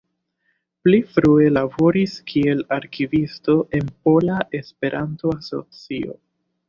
Pli frue laboris kiel arkivisto en Pola Esperanto-Asocio.